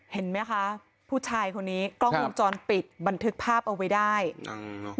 เห็นไหมคะผู้ชายคนนี้กล้องวงจรปิดบันทึกภาพเอาไว้ได้อืม